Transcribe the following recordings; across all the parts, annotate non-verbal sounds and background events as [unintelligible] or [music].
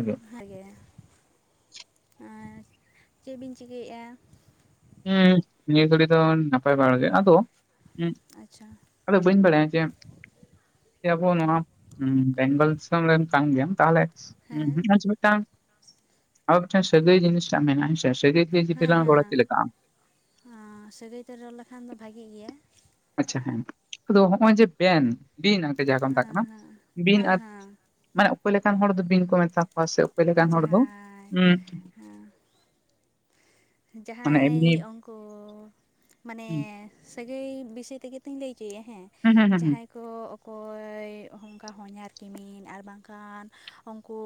ᱜᱮ ᱵᱷᱟᱜᱮ, ᱟᱨ ᱪᱮᱫ ᱵᱤᱱ ᱪᱤᱠᱟᱹᱭᱮᱫᱼᱟ? ᱦᱮᱸ ᱱᱤᱭᱟᱹ ᱜᱷᱟᱲᱤ ᱫᱚ ᱱᱟᱯᱟᱭ ᱵᱟᱲᱟ ᱜᱮ, ᱟᱫᱚ ᱟᱪᱪᱷᱟ ᱟᱫᱚ ᱵᱟᱹᱧ ᱵᱟᱲᱟᱭᱟ ᱡᱮ ᱟᱵᱚ ᱱᱚᱣᱟ ᱵᱮᱝᱜᱚᱞ ᱫᱤᱥᱚᱢ ᱨᱮᱱ ᱠᱟᱱ ᱜᱮᱭᱟᱢ, ᱛᱟᱦᱚᱞᱮ ᱦᱮᱸ [unintelligible] ᱟᱫᱚ ᱢᱤᱫᱴᱟᱝ ᱥᱟᱹᱜᱟᱹᱭ ᱡᱤᱱᱤᱥ ᱴᱟᱢ ᱱᱟ ᱥᱮ, ᱥᱟᱹᱜᱟᱹᱭ ᱫᱤᱭᱮ ᱡᱩᱫᱤ ᱦᱮᱸ ᱞᱟᱝ ᱨᱚᱲᱟ ᱦᱮᱸ, ᱪᱮᱫ ᱞᱮᱠᱟᱜᱼᱟ ᱮ ᱥᱟᱹᱜᱟᱹᱭ ᱛᱮ ᱨᱚᱲ ᱞᱮᱠᱷᱟᱱ ᱫᱚ ᱵᱷᱟᱜᱤ ᱜᱮᱭᱟ᱾ ᱟᱪᱪᱷᱟ ᱦᱮᱸ, ᱟᱫᱚ ᱦᱚᱸᱜᱼᱚᱭ ᱡᱮ ᱵᱮᱱ ᱵᱤᱱ ᱟᱛᱮ ᱡᱟᱸᱦᱟ ᱠᱚ ᱢᱮᱛᱟᱜ ᱦᱮᱸ ᱠᱟᱱᱟ, ᱦᱮᱸ ᱵᱤᱱ ᱦᱮᱸ ᱟᱨ ᱦᱮᱸ ᱢᱟᱱᱮ ᱚᱠᱚᱭ ᱞᱮᱠᱟᱱ ᱦᱚᱲ ᱫᱚ ᱵᱤᱱ ᱠᱚ ᱢᱮᱛᱟ ᱠᱚᱣᱟ ᱥᱮ ᱚᱠᱚᱭ ᱞᱮᱠᱟᱱ ᱦᱚᱲ ᱫᱚ, ᱡᱟᱦᱟᱸᱭ ‌ ᱩᱸ ᱡᱟᱸᱦᱟᱸᱭ ᱚᱝ ᱠᱚ ᱢᱟᱱᱮ ᱦᱩᱸ ᱥᱟᱹᱜᱟᱹᱭ ᱵᱤᱥᱚᱭ ᱛᱮᱜᱮ ᱛᱚᱧ ᱞᱟᱹᱭ ᱚᱪᱚᱭᱟ ᱦᱮᱸ, ᱦᱩᱸ ᱦᱩᱸ ᱡᱟᱦᱟᱸᱭ ᱠᱚ ᱚᱠᱚᱭ ᱚᱱᱠᱟ ᱦᱚᱧᱦᱟᱨ ᱠᱤᱢᱤᱱ ᱟᱨ ᱵᱟᱝᱠᱷᱟᱱ ᱩᱱᱠᱩ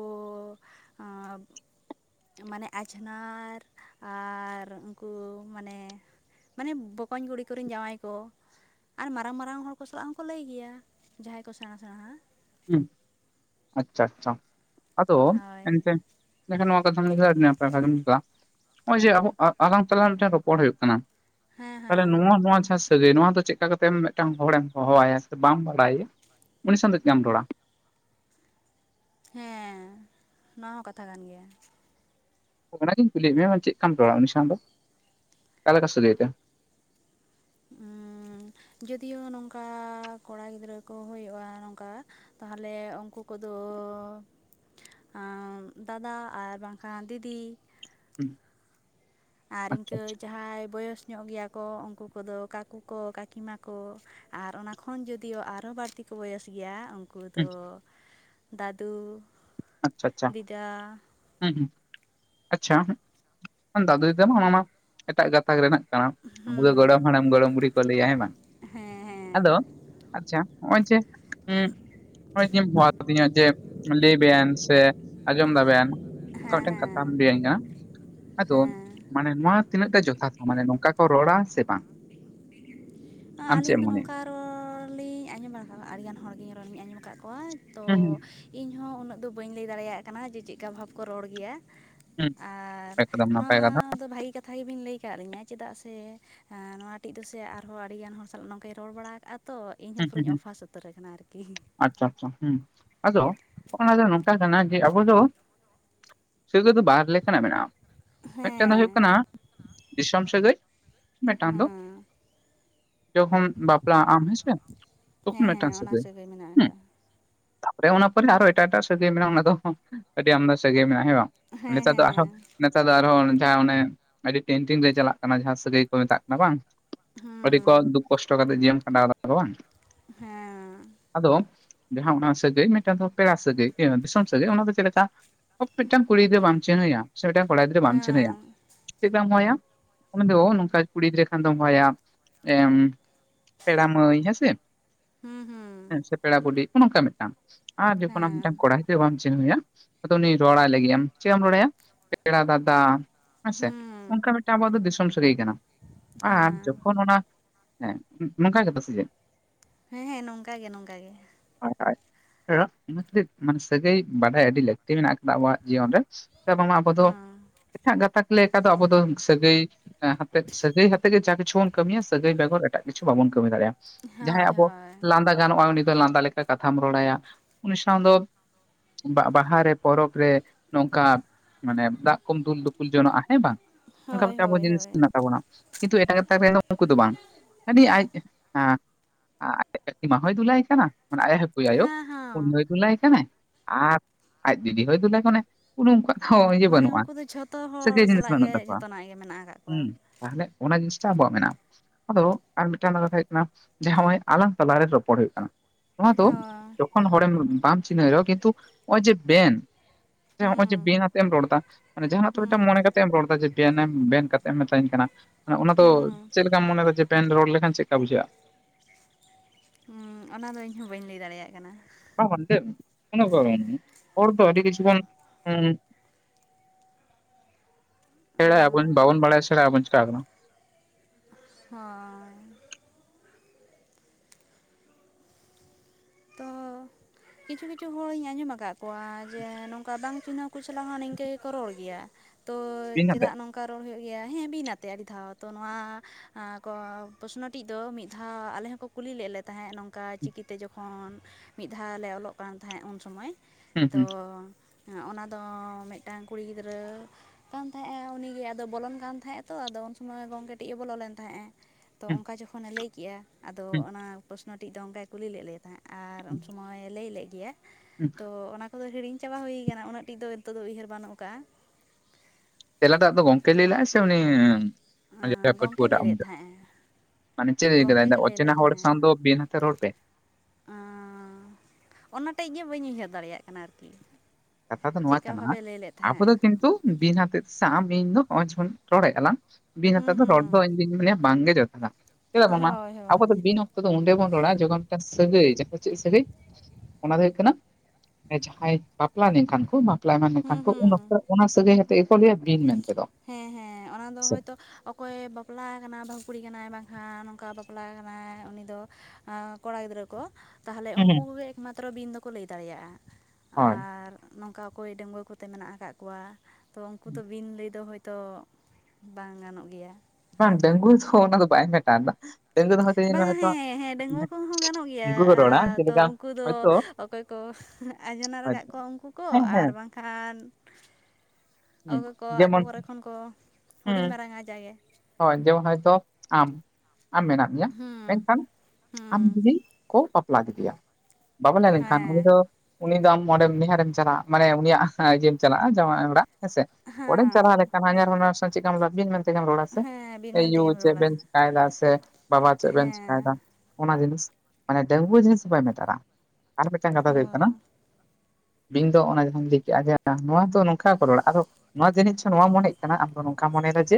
ᱟᱵ ᱢᱟᱱᱮ ᱟᱡᱽᱡᱷᱱᱟᱨ ᱟᱨ ᱩᱱᱠᱩ ᱢᱟᱱᱮ ᱢᱟᱱᱮ ᱵᱚᱠᱚᱧ ᱜᱩᱲᱤ ᱠᱚᱨᱮᱱ ᱡᱟᱶᱟᱭ ᱠᱚ᱾ ᱟᱨ ᱢᱟᱨᱟᱝ ᱢᱟᱨᱟᱝ ᱦᱚᱲ ᱠᱚ ᱥᱟᱞᱟᱜ ᱦᱚᱸᱠᱚ ᱞᱟᱹᱭ ᱜᱮᱭᱟ ᱡᱟᱦᱟᱸᱭ ᱠᱚ ᱥᱮᱬᱟ ᱥᱮᱬᱟ ᱦᱟᱸ᱾ ᱦᱩ, ᱟᱪᱪᱷᱟ, ᱟᱪᱪᱷᱟ, ᱟᱫᱚ ᱦᱳᱭ ᱮᱱᱛᱮ ᱢᱮᱱᱠᱷᱟᱱ ᱱᱚᱣᱟ ᱠᱟᱛᱷᱟᱢ [unintelligible] [unintelligible] [unintelligible] ᱞᱮᱠᱟ, ᱱᱚᱜᱼᱚᱭ ᱡᱮ ᱟᱵᱚ ᱟᱜᱟᱢ ᱛᱟᱞᱟᱢ ᱴᱷᱮᱱ ᱢᱤᱫᱴᱮᱱ ᱨᱚᱯᱚᱲ ᱦᱩᱭᱩᱜ ᱠᱟᱱᱟ᱾ ᱦᱮᱸ, ᱦᱮᱸ, ᱛᱟᱞᱦᱮ ᱱᱚᱣᱟ ᱱᱚᱣᱟ ᱡᱟᱦᱟᱸ ᱥᱟᱹᱜᱟᱹᱭ ᱱᱚᱣᱟ ᱫᱚ ᱪᱮᱫᱠᱟ ᱠᱟᱛᱮᱢ ᱢᱤᱫᱴᱟᱝ ᱦᱚᱲᱮᱢ ᱦᱚᱦᱚ ᱟᱭᱟ ᱥᱮ ᱵᱟᱢ ᱵᱟᱲᱟᱭᱟ ᱩᱱᱤ ᱥᱟᱶᱫᱚ ᱪᱮᱫᱟᱢ ᱨᱚᱲᱼᱟ, ᱦᱮᱸ ᱱᱚᱶᱟ ᱦᱚᱸ ᱠᱟᱛᱷᱟ ᱠᱟᱱ ᱜᱮᱭᱟ᱾ ᱚᱱᱟᱜᱤᱧ ᱠᱩᱞᱤᱭᱮᱫ ᱢᱮᱭᱟ ᱪᱮᱫᱠᱟᱢ ᱨᱚᱲᱟ ᱩᱱᱤ ᱥᱟᱶ ᱫᱚ ᱚᱠᱟᱞᱮᱠᱟ ᱥᱟᱹᱜᱟᱭ ᱛᱮ? ᱡᱚᱫᱤᱭᱳ ᱱᱚᱝᱠᱟ ᱠᱚᱲᱟ ᱜᱤᱫᱽᱨᱟᱹ ᱠᱚ ᱦᱩᱭᱩᱜᱼᱟ ᱱᱚᱝᱠᱟ ᱛᱟᱦᱚᱞᱮ ᱩᱝᱠᱩ ᱠᱚᱫᱚ ᱫᱟᱫᱟ ᱟᱨ ᱵᱟᱝᱠᱷᱟᱱ ᱫᱤᱫᱤ᱾ [unintelligible] ᱟᱨ ᱟᱪᱪᱷᱟ ᱤᱝᱠᱟᱹ ᱟᱪᱪᱷᱟ ᱡᱟᱦᱟᱸᱭ ᱵᱚᱭᱮᱥ ᱧᱚᱜ ᱜᱮᱭᱟ ᱠᱚ ᱩᱝᱠᱩ ᱠᱚᱫᱚ ᱠᱟᱠᱩ ᱠᱚ ᱠᱟᱹᱠᱤᱢᱟ ᱠᱚ᱾ ᱟᱨ ᱚᱱᱟ ᱠᱷᱚᱱ ᱡᱚᱫᱤᱭᱳ ᱟᱨᱦᱚᱸ ᱵᱟᱹᱲᱛᱤ ᱠᱚ ᱵᱚᱭᱮᱥ ᱜᱮᱭᱟ ᱩᱱᱠᱩ ᱩᱱᱠᱩ ᱫᱚ ᱦᱩᱸ ᱫᱟᱹᱫᱩ᱾ ᱟᱪᱪᱷᱟ, ᱟᱪᱪᱷᱟ, ᱦᱩ, ᱦᱩ, ᱟᱪᱪᱷᱟ ᱟᱢ ᱫᱟᱹᱫᱩ ᱮᱫᱟᱢ ᱚᱱᱟ ᱢᱟ ᱮᱴᱟᱜ ᱜᱟᱛᱟᱠ ᱨᱮᱱᱟᱜ [unintelligible] ᱦᱩᱸ ᱜᱚᱲᱚᱢ ᱦᱟᱲᱟᱢ ᱜᱚᱲᱚᱢ ᱵᱩᱰᱷᱤᱠᱚ ᱞᱟᱹᱭ ᱟᱭ, ᱦᱮᱸ ᱵᱟᱝ? ᱟᱫᱚ ᱦᱮᱸ ᱟᱪᱪᱷᱟ, ᱦᱚᱜᱼᱚᱭ ᱡᱮ, ᱩ ᱦᱚᱜᱼᱚᱭ ᱡᱮᱢ ᱦᱚᱦᱚ ᱟᱠᱟᱫᱤᱧᱟ ᱡᱮ ᱞᱮᱭ ᱵᱮᱱ ᱥᱮ, ᱟᱸᱡᱚᱢ ᱫᱟᱵᱮᱱ ᱦᱮᱸ ᱚᱱᱠᱟ ᱢᱤᱫᱴᱮᱱ ᱦᱮᱸ ᱠᱟᱛᱷᱟᱢ ᱞᱟᱹᱭᱤᱧᱟ, ᱦᱮᱸ ᱟᱫᱚ ᱦᱮᱸ ᱢᱟᱱᱮ ᱱᱚᱣᱟ ᱛᱤᱱᱟᱹᱜ ᱴᱟ ᱡᱚᱛᱷᱟᱛ ᱢᱟᱱᱮ ᱱᱚᱝᱠᱟ ᱠᱚ ᱨᱚᱲᱼᱟ ᱥᱮ ᱵᱟᱝ? ᱟᱢ ᱪᱮᱫ ᱮᱢ ᱟᱹᱞᱤᱧ ᱫᱚ ᱢᱚᱱᱮᱭᱟ ᱱᱚᱝᱠᱟ ᱨᱚᱲᱻ ᱞᱤᱧ ᱟᱸᱡᱚᱢ ᱵᱟᱲᱟ [unintelligible] ᱟᱹᱰᱤᱜᱟᱱ ᱦᱚᱲᱜᱤ ᱨᱚᱲ ᱞᱤᱧ ᱟᱸᱡᱚᱢ ᱟᱠᱟᱫ ᱠᱚᱣᱟ᱾ ᱛᱚ ᱦᱩᱸ ᱦᱩᱸ ᱤᱧᱦᱚᱸ ᱩᱱᱟᱹᱜ ᱫᱚ ᱵᱟᱹᱧ ᱞᱟᱹᱭ ᱫᱟᱲᱮᱭᱟᱜ ᱠᱟᱱᱟ ᱡᱮ ᱪᱮᱫᱠᱟ ᱵᱷᱟᱵᱽ ᱠᱚ ᱨᱚᱲ ᱜᱮᱭᱟ, ᱦᱩᱸ ᱟᱨ ᱮᱠᱫᱚᱢ ᱱᱟᱯᱟᱭ ᱠᱟᱛᱷᱟ ᱱᱚᱣᱟ ᱫᱚ ᱵᱷᱟᱜᱤ ᱠᱟᱛᱷ ᱛᱷᱟ ᱜᱮᱵᱤᱱ ᱞᱟᱹᱭ ᱠᱟᱫ ᱞᱤᱧᱟᱹ ᱪᱮᱫᱟᱜ ᱥᱮ ᱮᱸ ᱱᱚᱶᱟ ᱴᱤᱡ ᱫᱚᱥᱮ ᱟᱨᱦᱚᱸ ᱟ ᱟᱹᱰᱤᱜᱟᱱ ᱦᱚᱲ ᱥᱟᱞᱟᱜ ᱱᱚᱝᱠᱟᱧ ᱨᱚᱲ ᱵᱟᱲᱟ ᱟᱠᱟᱫᱼᱟ ᱛᱚ ᱤᱧᱦᱚᱸ ᱦᱩᱸ ᱦᱩᱸ ᱯᱩᱨᱟᱹᱧ ᱦᱩᱸ ᱚᱵᱷᱟᱥ ᱩᱛᱟᱹᱨ ᱟᱠᱟᱱᱟ ᱟᱨᱠᱤ᱾ ᱟᱪᱪᱷᱟ ᱟᱪᱪᱷᱟ ᱦᱩᱸ, ᱟᱫᱚ ᱚᱱᱟ ᱫᱚ ᱱᱚᱝᱠᱟ ᱠᱟᱱᱟ ᱡᱮ ᱟᱵᱚ ᱫᱚ ᱥᱟᱺᱜᱟᱭ ᱫᱚ ᱵᱟᱨ ᱞᱮᱠᱟᱱᱟᱜ ᱢᱮᱱᱟᱜᱼᱟ, ᱢᱮᱫᱴᱮᱱ ᱫᱚ ᱦᱳᱭᱩᱜ ᱦᱮᱸ ᱠᱟᱱᱟ ᱫᱤᱥᱚᱢ ᱥᱟᱹᱜᱟᱹᱭ ᱢᱮᱫᱴᱟᱝ ᱫᱚ ᱦᱮᱸ ᱡᱚᱠᱷᱚᱱ ᱵᱟᱯᱞᱟᱜ ᱟᱢ ᱦᱮᱸᱥᱮ ᱦᱮᱸ ᱛᱚᱠᱷᱚᱱ ᱢᱮᱫ ᱦᱮᱸ ᱴᱟᱝ ᱚᱱᱟ ᱥᱟᱺᱜᱟᱭ᱾ ᱥᱟᱹᱜᱟᱹᱭ ᱢᱮᱱᱟᱜ ᱦᱩ, ᱟᱠᱟᱫᱟ ᱛᱟᱯᱚᱨᱮ ᱚᱱᱟ ᱯᱚᱨᱮ ᱟᱨᱚ ᱮᱴᱟᱜ ᱮᱴᱟᱜ ᱥᱟᱹᱜᱟᱭ ᱢᱮᱱᱟᱜᱼᱟ ᱚᱱᱟ ᱫᱚ ᱟᱹᱰᱤ ᱟᱢᱫᱟ ᱥᱟᱹᱜᱟᱭ ᱢᱮᱱᱟᱜᱼᱟ ᱦᱮᱸ ᱵᱟᱝ, ᱦᱮᱸ ᱱᱮᱛᱟᱨ ᱫᱚ ᱦᱮᱸ ᱟᱨᱦᱚᱸ ᱱᱮᱛᱟᱨ ᱫᱚ ᱟᱨᱦᱚᱸ ᱡᱟᱦᱟᱸ ᱚᱱᱮ ᱟᱹᱰᱤ ᱴᱮᱱᱰᱤᱝ ᱨᱮ ᱪᱟᱞᱟᱜ ᱠᱟᱱᱟ ᱡᱟᱦᱟᱸ ᱥᱟᱹᱜᱟᱹᱭ ᱠᱚ ᱢᱮᱛᱟᱜ ᱠᱟᱱᱟ ᱵᱟᱝ ᱟᱹᱰᱤ ᱦᱮᱸ ᱠᱚ ᱫᱩᱠ ᱠᱚᱥᱴᱚ ᱠᱟᱛᱮ ᱡᱤᱭᱚᱱ ᱠᱷᱟᱸᱰᱟᱣᱠᱟᱜ [unintelligible] ᱵᱟᱝ? ᱦᱮᱸ, ᱟᱫᱚ ᱡᱟᱦᱟᱸ ᱚᱱᱟ ᱥᱟᱹᱜᱟᱹᱭ ᱢᱤᱫᱴᱟᱝ ᱫᱚ ᱯᱮᱲᱟ ᱥᱟᱹᱜᱟᱹᱭ ᱫᱤᱥᱚᱢ ᱥᱟᱹᱜᱟᱹᱭ, ᱚᱱᱟ ᱫᱚ ᱪᱮᱫ ᱞᱮᱠᱟ? ᱢᱤᱫᱴᱟᱝ ᱠᱩᱲᱤ ᱜᱤᱫᱽᱨᱟᱹ ᱵᱟᱢ ᱪᱤᱱᱦᱟᱹᱣᱮᱭᱟ ᱥᱮ ᱢᱤᱫᱴᱟᱝ ᱠᱚᱲᱟ ᱜᱤᱫᱽᱨᱟᱹ ᱵᱟ ᱪᱤᱱᱦᱟ. ᱣᱮᱭᱟ ᱦᱮᱸ ᱪᱮᱫ ᱠᱟᱢ ᱦᱚᱦᱚ ᱟᱭᱟ? ᱚᱱᱟ ᱫᱚ ᱱᱚᱝᱠᱟ ᱠᱩᱲᱤ ᱜᱤᱫᱽᱨᱟᱹ ᱠᱷᱟᱱ ᱫᱚᱢ ᱦᱚᱦᱚ ᱟᱭᱟ ᱯᱮᱲᱟ ᱢᱟᱹᱭ, ᱦᱮᱸᱥᱮ, ᱦᱩᱸ ᱦᱩᱸ ᱦᱮᱸ ᱥᱮ ᱯᱮᱲᱟ ᱵᱩᱰᱤ, ᱚᱱᱚ ᱚᱱᱠᱟ ᱢᱤᱫᱴᱟᱝ ᱟᱨ ᱡᱚᱠᱷᱚᱱ ᱟᱢ ᱢᱤᱫᱴᱟᱝ ᱦᱮᱸ ᱠᱚᱲᱟ [unintelligible] ᱵᱟᱢ ᱪᱤᱱᱦᱟᱹᱣᱮᱭᱟ ᱟᱫᱚ ᱩᱱᱤ ᱨᱚᱲᱟᱭ ᱞᱟᱹᱜᱤᱫ ᱮᱢ ᱪᱮᱫ ᱮᱢ ᱨᱚᱲ ᱟᱭᱟ? ᱯᱮᱲᱟ ᱫᱟᱫᱟ᱾ ᱦᱮᱸᱥᱮ ᱦᱩᱸ ᱚᱱᱠᱟ ᱢᱤᱫᱴᱟᱝ ᱟᱵᱚᱣᱟᱜ ᱫᱚ ᱫᱤᱥᱚᱢ ᱥᱟᱺᱜᱟᱭ ᱠᱟᱱᱟ᱾ ᱟᱨ ᱦᱮᱸ ᱡᱚᱠᱷᱚᱱ ᱚᱱᱟ ᱦᱮᱸ, ᱱᱚᱝᱠᱟ ᱜᱮᱛᱚ ᱥᱮ ᱪᱮᱫ? ᱦᱮᱸ, ᱦᱮᱸ, ᱱᱚᱝᱠᱟ ᱜᱮ ᱱᱚᱝᱠᱟ ᱜᱮ᱾ ᱦᱳᱭ ᱦᱳᱭ [unintelligible] ᱢᱟᱱᱮ ᱥᱟᱹᱜᱟᱹᱭ ᱵᱟᱰᱟᱭ ᱟᱹᱰᱤ ᱞᱟᱹᱠᱛᱤ ᱢᱮᱱᱟᱜ ᱟᱠᱟᱫᱟ ᱟᱵᱚᱣᱟᱜ ᱡᱤᱭᱚᱱ ᱨᱮ᱾ [unintelligible] ᱵᱟᱝᱢᱟ ᱟᱵᱚ ᱫᱚ ᱦᱮᱸ ᱮᱴᱟᱜ ᱜᱟᱛᱟᱠ ᱞᱮᱠᱟ ᱫᱚ ᱟᱵᱚ ᱫᱚ ᱥᱟᱺᱜᱟᱭ ᱮ ᱦᱟᱯᱮ ᱥᱟᱹᱜᱟᱹᱭ ᱦᱟᱛᱮᱜ ᱜᱮ ᱡᱟ ᱠᱤᱪᱷᱩ ᱵᱚᱱ ᱠᱟᱢᱤᱭᱟ ᱥᱟᱹᱜᱟᱹᱭ ᱵᱮᱜᱚᱨ ᱮᱴᱟᱜ ᱠᱤᱪᱷᱩ ᱵᱟᱵᱚᱱ ᱠᱟᱹᱢᱤ ᱫᱟᱲᱮᱭᱟᱜᱼᱟ᱾ ᱡᱟᱦᱟᱸᱭ ᱦᱳᱭ ᱟᱵᱚ ᱦᱳᱭ ᱞᱟᱸᱫᱟ ᱜᱟᱱᱚᱜᱼᱟ ᱩᱱᱤ ᱫᱚ ᱞᱟᱸᱫᱟ ᱞᱮᱠᱟ ᱠᱟᱛᱷᱟᱢ ᱨᱚᱲᱟᱭᱟ ᱩᱱᱤ ᱥᱟᱶ ᱫᱚ ᱵᱟᱦᱟᱨᱮ ᱯᱚᱨᱚᱵᱽ ᱨᱮ ᱱᱚᱝᱠᱟ ᱢᱟᱱᱮ ᱫᱟᱜ ᱠᱚᱢ ᱫᱩᱞᱼᱫᱩᱯᱩᱞ ᱡᱚᱱᱚᱜᱼᱟ ᱦᱮᱸ ᱵᱟᱝ ᱚᱱᱠᱟ ᱦᱳᱭ ᱢᱤᱫᱴᱟᱝ ᱟᱵᱚ ᱦᱳᱭ ᱡᱤᱱᱤᱥ ᱦᱳᱭ ᱢᱮᱱᱟᱜ ᱛᱟᱵᱚᱱᱟ᱾ ᱠᱤᱱᱛᱩ ᱮᱴᱟᱜ [unintelligible] ᱨᱮᱫᱚ ᱩᱱᱠᱩ ᱫᱚ ᱵᱟᱝ ᱟᱹᱰᱤ ᱟᱡ ᱾ ᱟᱡ ᱢᱟ ᱦᱚᱭ ᱫᱩᱞᱟᱭ ᱠᱟᱱᱟ ᱢᱟᱱᱮ ᱟᱡ [unintelligible] ᱟᱭᱳ ᱦᱮᱸ ᱦᱮᱸ ᱩᱱᱤ ᱦᱚᱭ ᱫᱩᱞᱟᱭ ᱠᱟᱱᱟᱭ᱾ ᱟᱨ ᱟᱡ ᱫᱤᱫᱤ ᱦᱚᱭ ᱫᱩᱞᱟᱭ [unintelligible] [unintelligible] ᱤᱭᱟᱹ ᱢᱟᱱᱮ ᱵᱟᱹᱱᱩᱜᱼᱟ ᱩᱱᱠᱩ ᱫᱚ ᱡᱷᱚᱛᱚ ᱦᱚᱲ ᱥᱟᱹᱜᱟᱭ ᱡᱤᱱᱤᱥ ᱥᱟᱞᱟᱜ ᱵᱟᱹᱱᱩᱜ ᱜᱮ ᱛᱟᱠᱚᱣᱟ ᱡᱷᱚᱛᱚᱱᱟᱜ ᱜᱮ ᱢᱮᱱᱟᱜ ᱟᱠᱟᱫ ᱠᱚᱣᱟ ᱦᱩᱸ᱾ ᱛᱟᱦᱚᱞᱮ ᱚᱱᱟ ᱡᱤᱱᱤᱥᱴᱟ ᱟᱵᱚᱣᱟᱜ ᱢᱮᱱᱟᱜᱼᱟ ᱟᱫᱚ ᱟᱨ ᱢᱤᱫᱴᱟᱝ ᱟᱱᱟ ᱠᱟᱛᱷᱟ ᱦᱩᱭᱩᱜ ᱠᱟᱱᱟ᱾ ᱡᱟᱦᱟᱸ ᱱᱚᱜᱚᱭ ᱟᱞᱟᱝ ᱛᱟᱞᱟᱨᱮ ᱨᱚᱯᱚᱲ ᱦᱩᱭᱩᱜ ᱠᱟᱱᱟ ᱱᱚᱣᱟ ᱫᱚ ᱦᱚᱸ ᱛᱚᱠᱷᱚᱱ ᱦᱚᱲᱮᱢ ᱵᱟᱢ ᱪᱤᱱᱦᱟᱹᱣ ᱨᱮᱦᱚᱸ, ᱠᱤᱱᱛᱩ ᱦᱚᱜᱚᱭ ᱡᱮ ᱵᱮᱱ ᱮ ᱱᱚᱜᱼᱚᱭ ᱡᱮ ᱦᱩᱸ ᱵᱮᱱ ᱟᱛᱮ ᱮᱢ ᱨᱚᱲ ᱮᱫᱟ ᱡᱟᱦᱟᱱᱟᱜ ᱛᱚ ᱢᱮᱫᱴᱟᱝ ᱦᱩᱸ ᱢᱚᱱᱮ ᱠᱟᱛᱮ -ᱛᱮᱜ ᱨᱚᱲ ᱮᱫᱟ ᱡᱮ ᱵᱮᱱ ᱮᱢ ᱵᱮᱱ ᱠᱟᱛᱮ ᱮᱢ ᱢᱮᱛᱟᱹᱧ ᱠᱟᱱᱟ ᱚᱱᱟ ᱫᱚ ᱦᱩᱸ ᱪᱮᱫ ᱞᱮᱠᱟᱢ ᱢᱚᱱᱮᱫᱟ ᱡᱮ ᱯᱮᱱ ᱨᱚᱲ ᱞᱮᱠᱷᱟᱱ ᱪᱮᱫ ᱞᱮᱠᱟ ᱵᱩᱡᱷᱟᱹᱜᱼᱟ? ᱩᱸ ᱚᱱᱟ ᱫᱚ ᱤᱧ ᱦᱚᱸ ᱵᱟᱹᱧ ᱞᱟᱹᱭ ᱫᱟᱲᱮᱭᱟᱜ ᱠᱟᱱᱟ᱾ ᱵᱟᱝ [unintelligible] ᱚᱱᱟᱱ ᱠᱚᱱ ᱦᱚᱲᱚ ᱫᱚ ᱟᱹᱰᱤ ᱠᱤᱪᱩᱜᱟᱱ ᱦᱩᱸ᱾ ᱥᱮᱲᱟᱭ ᱟᱵᱚᱱ ᱵᱟᱵᱚᱱ ᱵᱟᱲᱟᱭᱟ ᱥᱮᱬᱟᱭᱟᱵᱚᱱ ᱪᱟᱞᱟ ᱠᱟᱱᱟ᱾ ᱦᱳᱭ ᱛᱚ ᱠᱤᱪᱷᱩ ᱠᱤᱪᱷᱩ ᱦᱚᱲᱤᱧ ᱟᱸᱡᱚᱢ ᱟᱠᱟᱫ ᱠᱚᱣᱟ ᱡᱮ ᱱᱚᱝᱠᱟ ᱵᱟᱝ ᱪᱤᱱᱦᱟᱹᱣ ᱠᱚ ᱥᱟᱞᱟᱜ ᱦᱚᱸ ᱱᱤᱝᱠᱟᱹ ᱜᱮᱠᱚ ᱨᱚᱲ ᱜᱮᱭᱟ᱾ ᱛᱚ ᱵᱤᱱ ᱟᱛᱮ ᱪᱮᱫᱟᱜ ᱱᱚᱝ? ᱚᱱᱠᱟ ᱨᱚᱲ ᱦᱩᱭᱩᱜ ᱜᱮᱭᱟ ᱦᱮᱸ ᱵᱤᱱ ᱟᱛᱮ ᱟᱹᱰᱤ ᱫᱷᱟᱣ ᱛᱚ ᱱᱚᱣᱟ ᱠᱚ ᱯᱚᱥᱱᱚᱴᱤᱡ ᱫᱚ ᱢᱤᱫ ᱫᱷᱟᱣ ᱟᱞᱮ ᱦᱚᱸᱠᱚ ᱠᱩᱞᱤ ᱞᱮᱫ ᱞᱮ ᱛᱟᱦᱮᱸᱫ ᱱᱚᱝᱠᱟ ᱪᱤᱠᱤᱛᱮ ᱡᱚᱠᱷᱚᱱ ᱢᱤᱫ ᱫᱷᱟᱣ ᱫᱷᱟᱣ ᱞᱮ ᱚᱞᱚᱜ ᱠᱟᱱ ᱛᱟᱦᱮᱸᱫ ᱩᱱ ᱥᱚᱢᱚᱭ, ᱦᱩᱸ ᱛᱚ ᱦᱩᱸ ᱦᱮᱸ ᱚᱱᱟ ᱫᱚ ᱢᱤᱫᱴᱟᱝ ᱠᱩᱲᱤ ᱜᱤᱫᱽᱨᱟᱹ ᱠᱟᱱ ᱛᱟᱦᱮᱸᱜᱼᱟ ᱩᱱᱤᱜᱮ ᱟᱫᱚ ᱵᱚᱞᱚᱱ ᱠᱟᱱ ᱛᱟᱦᱮᱸᱜ ᱛᱚ ᱟᱫᱚ ᱩᱱ ᱥᱚᱢᱚᱭ ᱜᱚᱢᱠᱮ ᱴᱤᱡ ᱮ ᱵᱚᱞᱚ ᱞᱮᱱ ᱛᱟᱦᱮᱸᱜᱼᱟ᱾ ᱛᱚ ᱦᱩᱸ ᱚᱱᱠᱟ ᱡᱚᱠᱷᱚᱱᱮ ᱞᱟᱹᱭ ᱠᱮᱜᱼᱟ ᱟᱫᱚ ᱦᱩᱸ ᱚᱱᱟ ᱯᱨᱚᱥᱱᱚ ᱴᱤᱡ ᱫᱚ ᱚᱱᱠᱟᱭ ᱠᱩᱞᱤ ᱞᱮᱫ ᱞᱮ ᱛᱟᱦᱮᱸᱫ᱾ ᱟᱨ ᱦᱩᱸ ᱩᱱ ᱥᱚᱢᱚᱭᱮ ᱞᱟᱹᱭ ᱞᱮᱫ ᱜᱮᱭᱟ᱾ ᱦᱩᱸ ᱛᱚ ᱚᱱᱟ ᱠᱚᱫᱚ ᱦᱤᱲᱤᱧ ᱪᱟᱵᱟ ᱦᱩᱭ ᱟᱠᱟᱱᱟ ᱩᱱᱟᱹᱜ ᱴᱷᱤᱡ ᱫᱚ ᱱᱤᱛᱚᱜ ᱫᱚ ᱩᱭᱦᱟᱹᱨ ᱵᱟᱹᱱᱩᱜ ᱟᱠᱟᱜᱼᱟ᱾ ᱛᱮᱞᱟ ᱴᱟᱜ ᱫᱚ ᱜᱚᱝᱠᱮᱭ ᱞᱟᱹᱭ ᱞᱮᱜᱼᱟ ᱥᱮ ᱩᱱᱤ [unintelligible] ᱜᱚᱝᱠᱮ ᱯᱟᱹᱴᱷᱩᱣᱟᱹ ᱴᱟᱜ ᱞᱟᱹᱭ ᱞᱮᱫ ᱩᱱᱤᱴᱟᱜ ᱛᱟᱦᱮᱸᱫᱼᱮ ᱢᱟᱱᱮ ᱪᱮᱫ ᱮ ᱞᱟ. ᱭ ᱜᱚᱝᱠᱮ ᱜᱮ ᱠᱮᱫᱟ? ᱞᱟᱹᱭ ᱚᱪᱮᱱᱟ ᱞᱮᱫ ᱦᱚᱲ ᱥᱟᱝ ᱫᱚ ᱵᱤᱱ ᱟᱛᱮ ᱨᱚᱲ ᱯᱮ᱾ ᱟᱸ ᱚᱱᱟ ᱴᱷᱮᱡ ᱜᱮ ᱵᱟᱹᱧ ᱩᱭᱦᱟᱹᱨ ᱫᱟᱲᱮᱭᱟᱜ ᱠᱟᱱᱟ ᱟᱨᱠᱤ᱾ ᱠᱟᱛᱷᱟ ᱫᱚ ᱱᱚᱣᱟ ᱪᱮᱫᱠᱟ ᱠᱟᱱᱟ ᱟᱨ ᱵᱷᱟᱵᱮ ᱞᱟᱹᱭ ᱞᱮᱫ ᱟᱵᱚ ᱛᱟᱦᱮᱸᱫ ᱫᱚ ᱠᱤᱱᱛᱩ ᱵᱤᱱ ᱦᱟᱛᱮᱫ ᱥᱮ ᱟᱢ ᱤᱧ ᱫᱚ ᱱᱚᱜ-ᱚᱭ ᱡᱮ ᱵᱚᱱ ᱨᱚᱲᱮᱫ ᱟᱞᱟᱝ᱾ ᱵᱤᱱ ᱦᱟᱛᱟᱣ ᱦᱩᱸ ᱫᱚ ᱦᱩᱸ ᱨᱚᱲ ᱫᱚ ᱤᱧ ᱫᱩᱧ ᱢᱚᱱᱮᱭᱟ ᱵᱟᱝᱜᱮ ᱡᱚᱛᱷᱟ, ᱪᱮᱫᱟᱜ ᱵᱟᱝ ᱢᱟ ᱦᱳᱭ ᱦᱳᱭ ᱟᱵᱚ ᱫᱚ ᱵᱤᱱ, ᱛ ᱫᱚ ᱚᱸᱰᱮ ᱵᱚᱱ ᱨᱚᱲᱟ ᱡᱚᱠᱷᱚᱱ ᱢᱤᱫᱴᱟᱝ ᱥᱟᱹᱜᱟᱹᱭ ᱡᱚᱱ ᱪᱮᱫ ᱥᱟᱹᱜᱟᱹᱭ ᱚᱱᱟ ᱫᱚ ᱦᱩᱭᱩᱜ ᱠᱟᱱᱟ ᱢᱟᱱᱮ ᱡᱟᱦᱟᱸᱭ ᱵᱟᱯᱞᱟ ᱞᱮᱱᱠᱷᱟᱱ ᱠᱚ ᱵᱟᱯᱞᱟ ᱮᱢᱟᱱ ᱞᱮᱠᱷᱟᱱ ᱦᱩᱸ ᱠᱚ ᱦᱩᱸ ᱩᱱ ᱚᱠᱛᱚ ᱚᱱᱟ ᱥᱟᱹᱜᱟᱹᱭ ᱟᱛᱮᱫ ᱜᱮᱠᱚ ᱞᱟᱹᱭᱟ ᱵᱤᱱ ᱢᱮᱱᱛᱮᱫᱚ᱾ ᱦᱮᱸ ᱦᱮᱸ ᱚᱱᱟ ᱫᱚ ᱦᱚᱭᱛᱳ ᱚᱠᱚᱭ ᱵᱟᱯᱞᱟ ᱠᱟᱱᱟ ᱵᱟᱹᱦᱩ ᱠᱩᱲᱤ ᱠᱟᱱᱟᱭ ᱵᱟᱝᱠᱷᱟᱱ ᱱᱚᱝᱠᱟ ᱵᱟᱯᱞᱟ ᱠᱟᱱᱟᱭ ᱩᱱᱤ ᱫᱚ᱾ ᱟᱸ ᱠᱚᱲᱟ ᱜᱤᱫᱽᱨ ᱠᱚ᱾ ᱛᱟᱦᱚᱞᱮ ᱩᱱᱠᱩ ᱠᱚᱜᱮ ᱮᱠᱢᱟᱛᱨᱚ ᱵᱤᱱ ᱫᱚᱠᱚ ᱞᱟᱹᱭ ᱫᱟᱲᱮᱭᱟᱜᱼᱟ᱾ ᱦᱳᱭ ᱟᱨ ᱱᱚᱝᱠᱟ ᱚᱠᱚᱭ ᱰᱟᱺᱣᱟᱹ ᱠᱚᱛᱮ ᱢᱮᱱᱟᱜ ᱟᱠᱟᱫ ᱠᱚᱣᱟ᱾ ᱛᱚ ᱩᱱᱠᱩ ᱫᱚ ᱵᱤᱱ ᱞᱟᱹᱭ ᱫᱚ ᱦᱚᱭᱛᱚ ᱵᱟᱝ ᱜᱟᱱᱚᱜ ᱜᱮᱭᱟ᱾ ᱵᱟᱝ ᱰᱟᱹᱛᱩ ᱛᱮᱦᱚ ᱟᱱᱟ ᱫᱚ ᱵᱟᱭ ᱱᱮᱴᱟᱨ ᱫᱟ᱾ ᱵᱟᱝᱟ ᱦᱮᱸ ᱦᱮᱸ ᱰᱟᱹᱜᱩᱣᱟᱹ ᱠᱚᱦᱚᱸ ᱜᱟᱱᱚᱜ ᱜᱮᱭᱟ᱾ ᱩᱱᱠᱩ ᱠᱚ ᱟᱻ ᱨᱚᱲᱟ ᱪᱮᱫ ᱛᱚ ᱞᱮᱠᱟ ᱩᱱᱠᱩ ᱫᱚ ᱦᱚᱭᱛᱚ ᱚᱠᱚᱭ ᱠᱚ ᱟᱡᱷᱱᱟᱨᱟᱠᱟᱫ ᱠᱚᱣᱟ ᱩᱱᱠᱩ ᱠᱚ, ᱦᱮᱸ ᱦᱮᱸ ᱟᱨ ᱵᱟᱝᱠᱷᱟᱱ ᱦᱩᱸ [unintelligible] ᱠᱚ ᱟᱠᱚ ᱡᱮᱢᱚᱱ ᱠᱚᱨᱮ ᱠᱷᱚᱱ ᱠᱚ ᱦᱩᱰᱤᱧ ᱦᱩᱸ ᱢᱟᱨᱟᱝᱟ ᱡᱟᱜᱮ᱾ ᱦᱳᱭ ᱡᱮᱢᱚᱱ ᱦᱚᱭᱛᱳ ᱟᱢ ᱟᱢ ᱢᱮᱱᱟᱜ ᱢᱮᱭᱟ, ᱦᱩᱸ ᱢᱮᱱᱠᱷᱟᱱ ᱟᱢ ᱦᱩᱸ ᱫᱤᱫᱤ ᱠᱚ ᱵᱟᱯᱞᱟ ᱠᱮᱫᱮᱭᱟ ᱵᱟᱯᱞᱟ ᱞᱮᱱᱠᱷᱟᱱ ᱩᱱᱤ ᱦᱮᱸ ᱫᱚ ᱩᱱᱤ ᱫᱚ ᱟᱢ ᱚᱸᱰᱮ ᱱᱤᱦᱟᱨᱮᱢ ᱪᱟᱞᱟᱜᱼᱟ, ᱢᱟᱱᱮ ᱩᱱᱤᱭᱟᱜ ᱤᱡᱟ. ᱢ ᱪᱟᱞᱟᱜᱼᱟ ᱡᱟᱶᱟᱭ ᱚᱲᱟᱜ᱾ ᱦᱮᱸᱥᱮ ᱚᱸᱰᱮᱢ ᱪᱟᱞᱟᱣ ᱦᱮᱸ ᱞᱮᱠᱷᱟᱱ ᱦᱟᱧᱟᱨ ᱦᱚᱱᱟᱨ ᱥᱟᱜ ᱪᱮᱫᱠᱟᱢ ᱨᱚᱲᱟ ᱵᱤᱱ ᱢᱮᱱᱛᱮ ᱥᱮ? ᱦᱮᱸ ᱵᱤᱱ ᱮ ᱢᱮᱱ ᱭᱩ ᱛᱮᱜᱮᱢ ᱪᱮᱫ ᱨᱚᱲᱟ ᱵᱮᱱ ᱪᱮᱠᱟᱭ ᱫᱟ, ᱥᱮ ᱵᱟᱵᱟ ᱪᱮᱫ ᱵᱮᱱ ᱪᱮᱠᱟᱭ ᱫᱟ? ᱦᱮᱸ ᱚᱱᱟ ᱡᱤᱱᱤᱥ ᱢᱟᱱᱮ ᱰᱟᱜᱩᱣᱟᱹ ᱡᱤᱱᱤᱥ ᱵᱟᱭ ᱢᱮᱴᱟᱨᱟ, ᱟᱨ ᱢᱤᱫᱴᱟᱱ ᱠᱟᱛᱷᱟ ᱫᱚ ᱦᱩᱭᱩᱜ ᱠᱟᱱᱟ ᱦᱚᱸ ᱵᱤᱱ ᱫᱚ ᱚᱱᱟ ᱡᱟᱦᱟᱸᱧ ᱞᱟᱹᱭ ᱠᱮᱜᱼᱟ ᱡᱮ ᱱᱚᱣᱟ ᱫᱚ ᱱᱚᱝᱠᱟ ᱠᱚ ᱨᱚᱲᱟ ᱟᱫᱚ ᱱᱚᱣᱟ ᱡᱤᱱᱤᱥ ᱪᱚ ᱱᱚᱣᱟ ᱢᱚᱱᱮᱜ ᱠᱟᱱᱟ ᱟᱢ ᱫᱚ ᱱᱚᱝᱠᱟᱢ ᱢᱚᱱᱮᱭ ᱫᱟ ᱡᱮ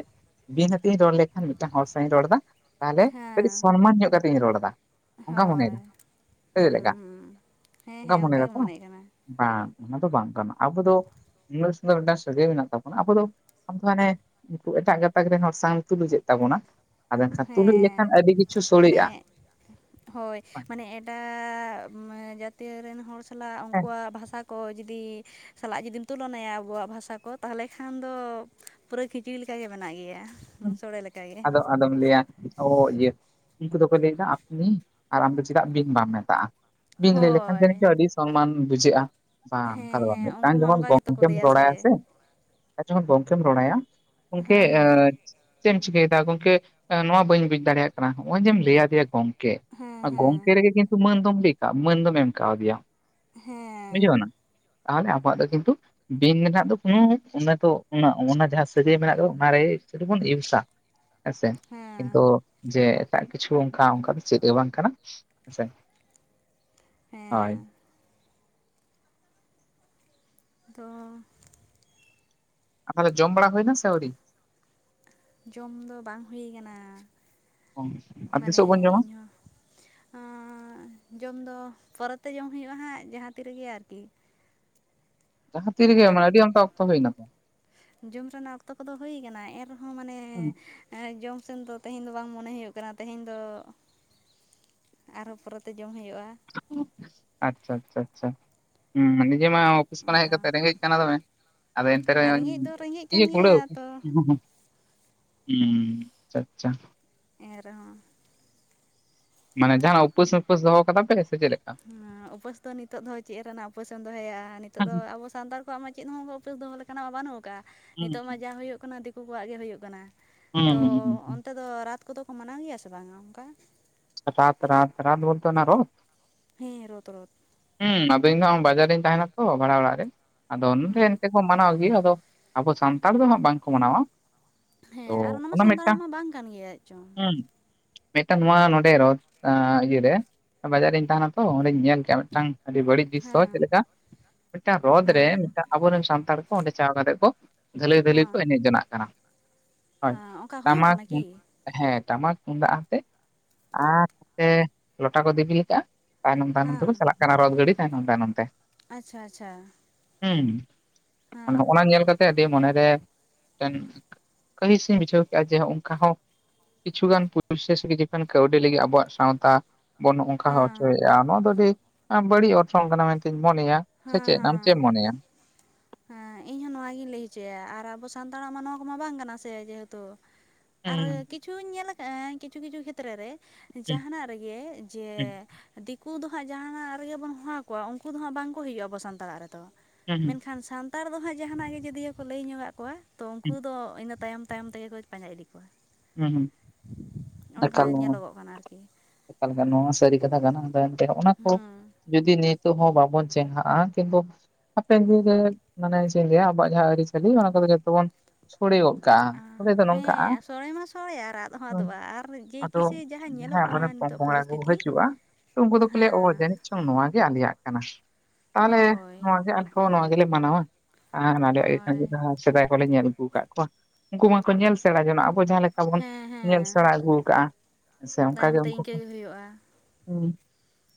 ᱵᱤᱱ ᱟᱛᱤᱧ ᱨᱚᱲ ᱞᱮᱠᱷᱟᱱ ᱢᱤᱫᱴᱟᱝ ᱦᱚᱲ ᱥᱟᱶ ᱤᱧ ᱨᱚᱲ ᱮᱫᱟ, ᱛᱟᱦᱚᱞᱮ ᱠᱟᱹᱴᱤᱡ ᱦᱮᱸ ᱥᱚᱱᱢᱟᱱ ᱧᱚᱜ ᱠᱟᱛᱮ ᱤᱧ ᱨᱚᱲ ᱫᱟ᱾ ᱦᱳᱭ, ᱦᱩ ᱦᱩ, ᱦᱮᱸ ᱚᱱᱠᱟᱢ ᱦᱮᱸ, ᱢᱚᱱᱮᱭᱮᱫᱟ ᱚᱱᱠᱟᱜᱮ ᱛᱚ ᱢᱚᱱᱮᱜ ᱠᱟᱱᱟ᱾ ᱵᱟᱝ ᱚᱱᱟ ᱫᱚ ᱵᱟᱝ ᱠᱟᱱᱟ ᱟᱵᱚ ᱫᱚ ᱩᱱᱟᱹᱜ ᱥᱟᱞᱟᱜ ᱢᱤᱫᱴᱟᱝ ᱥᱟᱹᱜᱟᱹᱭ ᱢᱮᱱᱟᱜ ᱛᱟᱵᱚᱱᱟ ᱟᱵᱚ ᱫᱚ ᱟ ᱦᱟᱱᱮ ᱩᱱᱠᱩ ᱮᱴᱟᱜ [unintelligible] ᱛᱟᱵᱚᱱᱟ ᱟᱫᱚ ᱢᱮᱱᱠᱷᱟᱱ ᱛᱩᱞᱩᱡ ᱞᱮᱠᱷᱟᱱ ᱦᱮᱸ ᱟᱹᱰᱤ ᱠᱤᱪᱷᱩ ᱢᱟᱱᱮ ᱥᱚᱲᱮᱜᱼᱟ᱾ ᱦᱳᱭ ᱢᱟᱱᱮ ᱮᱴᱟᱜᱻ ᱡᱟᱹᱛᱤᱭ ᱨᱮᱱ ᱦᱚᱲ ᱥᱟᱞᱟᱜ ᱦᱮᱸ ᱩᱱᱠᱩᱣᱟᱜ ᱵᱷᱟᱥᱟ ᱠᱚ ᱡᱩᱫᱤ ᱥᱟᱞᱟᱜ ᱡᱩᱫᱤᱢ ᱛᱩᱞᱚᱱᱟᱭᱟ ᱟᱵᱚᱣᱟᱜ ᱵᱷᱟᱥᱟ ᱠᱚ ᱛᱟᱦᱚᱞᱮ ᱠᱷᱟᱱ ᱫᱚ ᱯᱩᱨᱟᱹ ᱠᱷᱤᱪᱲᱤ ᱞᱮᱠᱟᱜᱮ ᱢᱮᱱᱟᱜ ᱜᱮᱭᱟ ᱥᱳᱲᱮ ᱞᱮᱠᱟ ᱜᱮ᱾ ᱟᱫᱚ ᱟᱫᱚᱢ ᱞᱟᱹᱭᱟ ᱚ ᱤᱭᱟᱹ ᱩᱱᱠᱩ ᱫᱚᱠᱚ ᱞᱟᱹᱭᱫᱟ ᱟᱯᱱᱤ, ᱟᱨ ᱟᱢᱫᱚ ᱪᱮᱫᱟᱜ ᱵᱤᱱ ᱵᱟᱢ ᱢᱮᱛᱟᱜᱼᱟ᱾ ᱵᱤᱱ ᱞᱟᱹᱭ ᱞᱮᱠᱷᱟᱱ ᱦᱳᱭ ᱡᱟᱱᱤᱡ ᱪᱚ ᱟᱹᱰᱤ ᱥᱚᱱᱢᱟᱱ ᱵᱩᱡᱷᱟᱹᱜᱼᱟ᱾ ᱵᱟᱝ ᱦᱮᱸ ᱚᱱᱟ ᱫᱚ ᱵᱟᱝ ᱦᱮᱸ ᱢᱤᱫᱴᱟᱝ ᱩᱱᱠᱩ ᱢᱟ ᱡᱚᱠᱷᱚᱱ ᱚᱱᱠᱟ ᱜᱮᱛᱚ ᱠᱚ ᱜᱚᱝᱠᱮᱢ ᱞᱟᱹᱭᱟ ᱨᱚᱲᱟᱭ ᱥᱮ ᱟᱨ ᱡᱚᱠᱷᱚᱱ ᱜᱚᱝᱠᱮᱢ ᱨᱚᱲᱟᱭᱟ, ᱜᱚᱢᱠᱮ ᱦᱮᱸ ᱦᱮᱸ ᱪᱮᱫ ᱮᱢ ᱪᱤᱠᱟᱹᱭ ᱫᱟ ᱜᱚᱝᱠᱮ ᱱᱚᱣᱟ ᱵᱟᱹᱧ ᱵᱩᱡ ᱫᱟᱲᱮᱭᱟᱜ ᱠᱟᱱᱟ, ᱱᱚᱜᱼᱚᱭ ᱡᱮᱢ ᱞᱟᱹᱭ ᱟᱫᱮᱭᱟ ᱜᱚᱝᱠᱮ ᱦᱮᱸ ᱦᱮᱸ ᱜᱚᱝᱠᱮ ᱨᱮᱜᱮ ᱠᱤᱱᱛᱩ ᱢᱟᱹᱱ ᱫᱚᱢ ᱢᱟᱹᱱ ᱫᱚᱢ ᱮᱢᱠᱟᱣ ᱫᱤᱭᱟ᱾ ᱵᱩᱡᱷᱟᱹᱣᱱᱟ ᱦᱮᱸ ᱛᱟᱦᱚᱞᱮ ᱟᱵᱚᱣᱟᱜ ᱫᱚ ᱠᱤᱱᱛᱩ ᱵᱤᱧ ᱨᱮᱱᱟᱜ ᱫᱚ ᱠᱳᱱᱳ ᱚᱱᱟ ᱠᱚ ᱚᱱᱟ ᱡᱟᱦᱟᱸ ᱥᱟᱹᱜᱟᱹᱭ ᱢᱮᱱᱟᱜ ᱫᱚ ᱚᱱᱟᱨᱮ ᱡᱮ [unintelligible] ᱤᱭᱩᱥᱟ ᱦᱮᱸ ᱥᱮ ᱠᱤᱱᱛᱩ ᱦᱮᱸ ᱡᱮ ᱮᱴᱟᱜ ᱠᱤᱪᱷᱩ ᱚᱱᱠᱟ-ᱚᱱᱠᱟ ᱫᱚ ᱪᱮᱫ ᱜᱮ ᱵᱟᱝ ᱠᱟᱱᱟ ᱦᱮᱸᱥᱮ ᱦᱳᱭ᱾ ᱦᱮᱸ ᱫᱚᱻ ᱟᱯᱮ ᱫᱚ ᱡᱚᱢ ᱵᱟᱲᱟ ᱦᱩᱭᱱᱟ ᱥᱮ ᱟᱣᱨᱤ? ᱡᱚᱢ ᱫᱚ ᱵᱟᱝ ᱦᱩᱭ ᱠᱟᱱᱟ, ᱟᱨ ᱢᱟᱱᱮ ᱛᱤᱥᱚᱜ ᱵᱚᱱ ᱡᱚᱢᱟ ᱤᱧᱦᱚᱸ ᱡᱚᱢ ᱫᱚ ᱯᱚᱨᱮ ᱛᱮ ᱡᱚᱢ ᱦᱩᱭᱩᱜᱼᱟ ᱦᱟᱸᱜ ᱡᱟᱦᱟᱸ ᱛᱤ ᱨᱮᱜᱮ ᱟᱨᱠᱤ᱾ ᱛᱤ ᱚᱱᱟ ᱨᱮᱵᱤᱱ ᱢᱟᱱᱮ ᱟᱹᱰᱤ ᱟᱭᱢᱟ ᱚᱠᱛᱚ ᱦᱩᱭᱱᱟ ᱛᱚ᱾ ᱡᱚᱢ ᱨᱮᱱᱟᱜ ᱚᱠᱛᱚ ᱠᱚᱫᱚ ᱦᱩᱭ ᱠᱟᱱᱟ ᱮᱱ ᱨᱮᱦᱚᱸ ᱢᱟᱱᱮ ᱦᱮᱸ ᱡᱚᱢ ᱥᱮᱱ ᱫᱚ ᱛᱮᱦᱮᱧ ᱫᱚ ᱵᱟᱝ ᱢᱚᱱᱮ ᱦᱩᱭᱩᱜ ᱠᱟᱱᱟ ᱛᱮᱦᱮᱧ ᱫᱚ ᱟᱨᱦᱚᱸ ᱯᱚᱨᱮᱛᱮ ᱡᱚᱢ ᱦᱩᱭᱩᱜᱼᱟ᱾ ᱟᱪᱪᱷᱟ, ᱟᱪᱪᱷᱟ, ᱟᱪᱪᱷᱟ ᱦᱩᱸ ᱱᱤᱡᱮ ᱢᱟ ᱚᱯᱷᱤᱥ ᱠᱷᱚᱱᱟᱜ ᱦᱮᱡ ᱚᱱᱠᱟ ᱠᱟᱛᱮ ᱨᱮᱸᱜᱮᱡ ᱠᱟᱱᱟ ᱫᱚᱢᱮ᱾ ᱟᱫᱚ ᱮᱱᱛᱮ ᱨᱮᱸᱜᱮᱡ ᱫᱚ ᱨᱮᱸᱜᱮᱡ ᱠᱟᱱ ᱜᱮᱭᱟ ᱛᱚ [unintelligible] ᱦᱩᱸ ᱟᱪᱪᱷᱟ, ᱟᱪᱪᱷᱟ᱾ ᱮᱱ ᱨᱮᱦᱚᱸ ᱢᱟᱱᱮ ᱡᱟᱦᱟᱱᱟᱜ ᱩᱯᱟᱹᱥ ᱩᱯᱟᱹᱥ ᱫᱚᱦᱚ ᱠᱟᱫᱟ ᱯᱮ ᱥᱮ ᱪᱮᱫ? ᱞᱮᱠᱟ? ᱩᱯᱟᱹᱥ ᱫᱚ ᱱᱤᱛᱚᱜ ᱫᱚ ᱪᱮᱫ ᱨᱮᱱᱟᱜ ᱩᱯᱟᱹᱥ ᱮᱢ ᱫᱚᱦᱚᱭᱟ ᱱᱤᱛᱚᱜ ᱦᱩᱸ ᱫᱚ ᱟᱵᱚ ᱥᱟᱱᱛᱟᱲ ᱠᱚ ᱠᱚᱣᱟᱜ ᱢᱟ ᱪᱮᱫ ᱦᱚᱸ ᱩᱯᱟᱹᱥ ᱫᱚᱦᱚ ᱞᱮᱠᱟᱱ ᱢᱟ ᱵᱟᱹᱱᱩᱜ ᱟᱠᱟᱜᱼᱟ, ᱱᱤᱛᱚᱜ ᱢᱟ ᱦᱩᱸ ᱡᱟ ᱦᱩᱭᱩᱜ ᱠᱟᱱᱟ ᱫᱤᱠᱩ ᱠᱚᱣᱟᱜ ᱜᱮ ᱦᱩᱭᱩᱜ ᱠᱟᱱᱟ᱾ ᱛᱚ ᱦᱩᱸ ᱦᱩᱸ ᱚᱱᱛᱮ ᱫᱚ ᱨᱟᱛ ᱠᱚᱫᱚ ᱠᱚ ᱢᱟᱱᱟᱣ ᱜᱮᱭᱟ ᱥᱮ ᱵᱟᱝᱟ ᱚᱱᱠᱟ? ᱨᱟᱛ, ᱨᱟᱛ, ᱨᱟᱛ ᱵᱚᱞᱛᱮ ᱚᱱᱟ ᱨᱚᱛ? ᱦᱮᱸ ᱨᱚᱛ ᱨᱚᱛ ᱾ ᱦᱩᱸ ᱟᱫᱚ ᱤᱧ ᱫᱚ ᱦᱚᱸ ᱵᱟᱡᱟᱨ ᱨᱤᱧ ᱛᱟᱦᱮᱱᱟ ᱛᱚ ᱵᱷᱟᱲᱟ ᱚᱲᱟᱜ ᱨᱮ, ᱟᱫᱚ ᱱᱚᱰᱮ ᱦᱮᱸ ᱮᱱᱛᱮ ᱠᱚ ᱢᱟᱱᱟᱣ ᱜᱮ, ᱟᱫᱚ ᱟᱵᱚ ᱥᱟᱱᱛᱟᱲ ᱫᱚ ᱦᱟᱸᱜ ᱵᱟᱝᱠᱚ ᱢᱟᱱᱟᱣᱟ᱾ ᱛᱚ ᱦᱮᱸ ᱟᱨ ᱚᱱᱟᱢᱟ ᱚᱱᱟ ᱥᱟᱱᱛᱟᱲᱟᱜ ᱢᱤᱫᱴᱟᱝ ᱢᱟ ᱵᱟᱝ ᱠᱟᱱ ᱜᱮᱭᱟ ᱮ ᱪᱚᱝ! ᱦᱩᱸ ᱢᱤᱫᱴᱟᱝ ᱱᱚᱣᱟ ᱱᱚᱸᱰᱮ ᱨᱚᱛ ᱟᱸᱻ ᱤᱭᱟᱹᱨᱮ ᱵᱟᱡᱟᱨ ᱨᱮᱧ ᱛᱟᱦᱮᱱᱟ ᱛᱚ ᱚᱸᱰᱮᱧ ᱧᱮᱞ ᱠᱮᱜᱼᱟ ᱢᱤᱫᱴᱟᱝ ᱟᱹᱰᱤ ᱵᱟᱹᱲᱤᱡ ᱫᱤᱥᱥᱚ ᱦᱮᱸ ᱪᱮᱫ ᱞᱮᱠᱟ ᱢᱤᱫᱴᱟᱝ ᱨᱚᱫ ᱨᱮ ᱦᱮᱸ ᱢᱤᱫᱴᱟᱝ ᱟᱵᱚᱨᱮᱱ ᱥᱟᱱᱛᱟᱲ ᱠᱚ ᱚᱸᱰᱮ ᱪᱟᱞᱟᱣ ᱠᱟᱛᱮ ᱠᱚ ᱫᱷᱟᱹᱞᱩᱭ ᱫᱷᱟᱹᱞᱩᱭ ᱦᱮᱸ ᱠᱚ ᱮᱱᱮᱡ ᱡᱚᱱᱟᱜ ᱠᱟᱱᱟ, ᱦᱳᱭ ᱦᱮᱸ ᱚᱱᱠᱟ ᱦᱩᱭᱩᱜ ᱴᱟᱢᱟᱠ ᱠᱟᱱᱟ ᱛᱩᱢ ᱠᱤ ᱦᱮᱸ ᱴᱟᱢᱟᱠ ᱛᱩᱢᱫᱟᱜ ᱟᱛᱮᱜ ᱟᱨ ᱛᱮ ᱞᱚᱴᱟ ᱠᱚ ᱫᱤᱵᱤᱞ ᱠᱟᱜᱼᱟ ᱛᱟᱭᱱᱚᱢ ᱛᱟᱭᱱᱚᱢ ᱦᱮᱸ ᱛᱮᱠᱚ ᱪᱟᱞᱟᱜ ᱠᱟᱱᱟ ᱨᱚᱛ ᱜᱟᱹᱰᱤ ᱛᱟᱭᱱᱚᱢ ᱛᱟᱭᱱᱚᱢ ᱛᱮ᱾ ᱟᱪᱪᱷᱟ ᱟᱪᱪᱷᱟ ᱾ ᱦᱩᱸ ᱦᱚᱸᱜ ᱱᱟ ᱧᱮᱞ ᱠᱟᱛᱮᱜ ᱟᱹᱰᱤ ᱢᱚᱱᱮᱨᱮ ᱢᱤᱫᱴᱮᱱ ᱠᱟᱹᱦᱤᱥ ᱤᱧ ᱵᱩᱡᱷᱟᱹᱣ ᱠᱮᱜᱼᱟ ᱡᱮ ᱦᱚᱜᱼᱚᱝᱠᱟ ᱦᱚᱸ ᱠᱤᱪᱷᱩ ᱜᱟᱱ [unintelligible] ᱠᱟᱹᱣᱰᱤ ᱞᱟᱹᱜᱤᱫ ᱟᱵᱚᱣᱟᱜ ᱥᱟᱶᱛᱟ ᱵᱚᱱ ᱦᱚᱜᱼᱚᱱᱠᱟ ᱦᱮᱸ ᱦᱚᱪᱚᱭᱮᱜᱼᱟ ᱱᱚᱣᱟ ᱫᱚ ᱟᱹᱰᱤ ᱵᱟᱹᱲᱤᱡ ᱚᱨᱥᱚᱝ ᱠᱟᱱᱟ ᱢᱮᱱᱛᱤᱧ ᱢᱚᱱᱮᱭᱟ ᱥᱮ ᱦᱮᱸ ᱪᱮᱫ ᱟᱢ ᱦᱮᱸ ᱪᱮᱫ ᱮᱢ ᱢᱚᱱᱮᱭᱟ? ᱦᱮᱸ ᱤᱧ ᱦᱚᱸ ᱱᱚᱣᱟᱜᱤᱧ ᱞᱟᱹᱭ ᱦᱚᱪᱚᱭᱟ, ᱟᱨ ᱟᱵᱚ ᱥᱟᱱᱛᱟᱲᱟᱜ ᱢᱟ ᱱᱚᱣᱟ ᱠᱚᱢᱟ ᱵᱟᱝ ᱠᱟᱱᱟ ᱥᱮ ᱡᱮᱦᱮᱛᱩ ᱾ ᱟᱨ ᱦᱩᱸ ᱠᱤᱪᱷᱩᱧ ᱧᱮᱞ ᱠᱟᱜᱼᱟ ᱠᱤᱪᱷᱩ ᱠᱤᱪᱷᱩ ᱠᱷᱮᱛᱨᱮ ᱨᱮ ᱦᱩᱸ ᱡᱟᱦᱟᱱᱟᱜ ᱨᱮᱜᱮ ᱡᱮ ᱦᱩᱸ ᱫᱤᱠᱩ ᱫᱚ ᱦᱟᱸᱜ ᱡᱟᱦᱟᱱᱟᱜ ᱨᱮᱜᱮ ᱵᱚᱱ ᱦᱚᱦᱚᱣᱟ ᱠᱚᱣᱟ ᱩᱱᱠᱩ ᱫᱚ ᱦᱟᱸᱜ ᱵᱟᱝᱠᱚ ᱦᱩᱭᱩᱜᱼᱟ ᱟᱵᱚ ᱥᱟᱱᱛᱟᱲᱟᱜ ᱨᱮᱫᱚ ᱾ ᱦᱩᱸ ᱦᱩᱸ ᱾ ᱠᱷᱟᱱ ᱥᱟᱱᱛᱟᱲ ᱫᱚ ᱦᱟᱸᱜ ᱡᱟᱦᱟᱸ ᱱᱟᱜ ᱜᱮ ᱡᱚᱫᱤᱭᱳ ᱠᱚ ᱞᱟᱹᱭ ᱧᱚᱜᱟᱜ ᱠᱚᱣᱟ ᱛᱚ ᱦᱩᱸ ᱩᱱᱠᱩ ᱫᱚ ᱤᱱᱟᱹ ᱛᱟᱭᱚᱢ ᱛᱟᱭᱚᱢ ᱛᱮᱜᱮ ᱠᱚ ᱯᱟᱸᱡᱟ ᱤᱫᱤ ᱠᱚᱣᱟ, ᱦᱩᱸ ᱦᱩᱸ ᱚᱱᱠᱟ ᱧᱮᱞᱚᱜᱚᱜ ᱠᱟᱱᱟ ᱟᱨᱠᱤ ᱾ ᱮᱠᱟᱞ‌ ᱮᱠᱟᱞ ᱱᱚᱣᱟ ᱥᱟᱹᱨᱤ ᱠᱟᱛᱷᱟ ᱠᱟᱱᱟ, ᱟᱫᱚ ᱮᱱᱛᱮᱜ ᱦᱚᱜᱼᱚᱱᱟ ᱠᱚ ᱦᱩᱸ ᱡᱩᱫᱤ ᱱᱤ ᱛᱩᱜ ᱦᱚᱸ ᱵᱟᱵᱚᱱ ᱪᱮᱝᱜᱷᱟᱜᱼᱟ ᱠᱤᱱᱛᱩ ᱦᱟᱯᱮᱱ ᱫᱤᱱ ᱨᱮ ᱢᱟᱱᱮ ᱪᱮᱜ ᱤᱧ ᱞᱟᱹᱭᱟ ᱟᱵᱚᱣᱟᱜ ᱡᱟᱦᱟᱸ ᱟᱹᱨᱤᱼᱪᱟᱹᱞᱤ ᱚᱱᱟ ᱠᱚᱫᱚ ᱡᱚᱛᱚ ᱵᱚᱱ ᱥᱚᱲᱮ ᱜᱚᱜ ᱠᱟᱜᱼᱟ ᱛᱚᱵᱮ ᱫᱚ ᱱᱚᱝᱠᱟᱜᱼᱟ ᱦᱮᱸ ᱥᱚᱲᱮ ᱢᱟ ᱥᱚᱲᱮ ᱟᱨ ᱟᱫ ᱦᱚᱸ ᱟᱫᱚᱜᱼᱟ ᱟᱨ ᱡᱮᱭ ᱟᱫᱚ ᱠᱤᱥᱮ ᱡᱟᱦᱟᱸ ᱡᱟᱦᱟᱸᱭ ᱧᱮᱞᱚᱜ ᱠᱟᱱᱟ ᱟᱵᱚᱨᱮᱱ ᱯᱚᱝ ᱱᱤᱛᱚᱜ ᱯᱚᱝᱲᱟ ᱠᱚ ᱯᱚᱨᱤᱥᱛᱷᱤᱛᱤ, ᱦᱤᱡᱩᱜᱼᱟ ᱛᱚ ᱩᱱᱠᱩ ᱫᱚᱠᱚ ᱞᱟᱹᱭ ᱚᱻ ᱦᱮᱸ ᱡᱟᱹᱱᱤᱡ ᱪᱚᱝ ᱱᱚᱣᱟ ᱜᱮ ᱟᱞᱮᱭᱟᱜ ᱠᱟᱱᱟ ᱾ ᱛᱟᱦᱚᱞᱮ ᱦᱳᱭ ᱱᱚᱣᱟ ᱜᱮ ᱟᱞᱮ ᱦᱚᱸ ᱱᱚᱣᱟ ᱜᱮᱞᱮ ᱢᱟᱱᱟᱣᱟ ᱾ ᱟᱨ ᱟᱞᱮᱭᱟᱜ ᱜᱮ ᱠᱷᱟᱱ ᱦᱳᱭ ᱡᱟᱦᱟᱸ ᱥᱮᱫᱟᱭ ᱠᱷᱚᱡ ᱞᱮ ᱧᱮᱞ ᱟᱹᱜᱩᱣ ᱠᱟᱜ ᱠᱚᱣᱟ, ᱩᱱᱠᱩ ᱢᱟᱠᱚ ᱧᱮᱞ ᱥᱮᱬᱟ ᱡᱚᱱᱟᱜᱼᱟ ᱟᱵᱚ ᱡᱟᱦᱟᱸ ᱞᱮ ᱠᱟ ᱵᱚᱱ ᱦᱮᱸ ᱧᱮᱞ ᱦᱮᱸ ᱥᱮᱬᱟ ᱟᱹᱜᱩ ᱠᱟᱜᱼᱟ ᱦᱮᱸ ᱥᱮ ᱚᱱᱠᱟ ᱛᱟᱭᱚᱢ ᱜᱮ ᱛᱮ ᱩᱱᱠᱩ ᱤᱱᱠᱟᱹ ᱦᱚᱸ, ᱦᱩᱸ᱾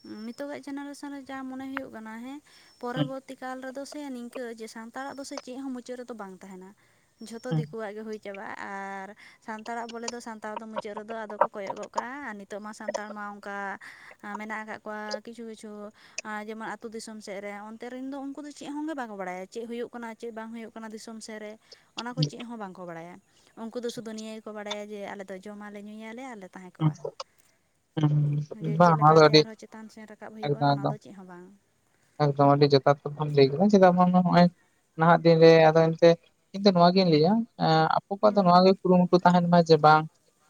ᱩᱢ ᱱᱤᱛᱚᱜᱟᱜ ᱡᱮᱱᱟᱨᱮᱥᱚᱱ ᱨᱮ ᱡᱟ ᱢᱚᱱᱮ ᱦᱩᱭᱩᱜ ᱠᱟᱱᱟ ᱦᱮᱸ ᱯᱚᱨᱚᱵᱚᱨᱛᱤ ᱠᱟᱞ ᱨᱮᱫᱚ ᱥᱮ ᱱᱤᱝ-ᱼ ᱠᱟᱹ ᱡᱮ ᱥᱟᱱᱛᱟᱲᱟᱜ ᱫᱚ ᱥᱮ ᱪᱮᱜ ᱦᱚᱸ ᱢᱩᱪᱟᱹᱜ ᱨᱮᱫᱚ ᱫᱚ ᱵᱟᱝ ᱛᱟᱦᱮᱱᱟ ᱾ ᱡᱷᱚᱛᱚ ᱦᱩᱸ ᱫᱤᱠᱩᱣᱟᱜ ᱜᱮ ᱦᱩᱭ ᱪᱟᱵᱟᱜᱼᱟ ᱟᱨ ᱥᱟᱱᱛᱟᱲᱟᱜ ᱵᱚᱞᱮ ᱫᱚ ᱥᱟᱱᱛᱟᱲ ᱫᱚ ᱢᱩᱪᱟᱹᱜ ᱨᱮᱫᱚ ᱟᱫᱚ ᱠᱚ ᱠᱚᱭᱚᱜ ᱜᱚᱜ ᱠᱟᱜᱼᱟ ᱟᱨ ᱱᱤ ᱛᱚᱜ ᱢᱟ ᱥᱟᱱᱛᱟᱲ ᱢᱟ ᱚᱝᱠᱟ ᱟ ᱢᱮᱱᱟᱜ ᱟᱠᱟᱜ ᱠᱚᱣᱟ ᱠᱤᱪᱷᱩ ᱠᱤᱪᱷᱩ ᱟᱸ ᱡᱮᱢᱚᱱ ᱟᱛᱩ ᱫᱤᱥᱚᱢ ᱥᱮᱜ ᱨᱮ ᱚᱱᱛᱮ ᱨᱮᱱ ᱫᱚ ᱩᱱᱠᱩ ᱫᱚ ᱪᱮᱜ ᱦᱚᱸ ᱜᱮ ᱵᱟᱠᱚ ᱵᱟᱲᱟᱭᱟ ᱪᱮᱜ ᱦᱩᱭᱩᱜ ᱠᱟᱱᱟ ᱪᱮᱜ ᱵᱟᱝ ᱦᱩᱭᱩᱜ ᱠᱟᱱᱟ ᱫᱤᱥᱚᱢ ᱥᱮᱜ ᱨᱮ? ᱚᱱᱟ ᱠᱚ ᱪᱮᱜ ᱦᱚᱸ ᱵᱟᱝ ᱠᱚ ᱵᱟᱲᱟᱭᱟ ᱾ ᱩᱱᱠᱩ ᱫᱚ ᱥᱩᱫᱩ ᱱᱤᱭᱟᱹ ᱜᱮ ᱠᱚ ᱵᱟᱲᱟᱭᱟ ᱡᱮ ᱟᱞᱮ ᱫᱚ ᱡᱚᱢᱟ ᱞᱮ ᱧᱩᱭᱟ ᱞᱮ ᱟᱨᱞᱮ ᱛᱟᱦᱮᱸ ᱦᱩᱸ ᱠᱚᱜᱼᱟ ᱦᱩᱸ ᱦᱩᱸ ᱡᱮ ᱵᱟᱝ ᱪᱮᱜ ᱱᱚᱣᱟ ᱞᱮᱠᱟ ᱫᱚ ᱛᱮ ᱟᱹᱰᱤ ᱟᱨ ᱦᱚᱸ ᱪᱮᱛᱟᱱ ᱥᱮᱱ ᱨᱟᱠᱟᱵ ᱦᱩᱭᱩᱜᱼᱟ ᱮᱠᱫᱚᱢ ᱮᱠᱫᱚᱢ ᱚᱱᱟ ᱫᱚ ᱪᱮᱜ ᱦᱚᱸ ᱵᱟᱝ᱾ ᱮᱠᱫᱚᱢ ᱟᱹᱰᱤ ᱡᱚᱛᱷᱟᱛ ᱠᱟᱛᱷᱟᱢ ᱞᱟᱹᱭ ᱠᱮᱫᱟ ᱪᱮᱫᱟᱜ ᱵᱟᱝ ᱢᱟ ᱦᱚᱸᱜᱼᱚᱭ ᱱᱟᱦᱟᱜ ᱫᱤᱱ ᱨᱮ ᱟᱫᱚ ᱮᱱᱛᱮᱜ ᱤᱧ ᱫᱚ ᱱᱚᱣᱟ ᱜᱤᱧ ᱞᱟᱹᱭᱟ ᱾ ᱮᱸᱜ ᱟᱵᱚ ᱠᱚᱣᱟᱜ ᱫᱚ ᱱᱚᱣᱟ‌ ᱜᱮ ᱦᱩᱸ ᱠᱩᱨᱩᱢᱩᱴᱩ ᱛᱟᱦᱮᱱ ᱢᱟ ᱡᱮ ᱵᱟᱝ